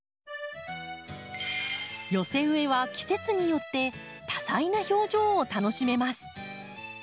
寄せ植えは季節によって多彩な表情を楽しめます。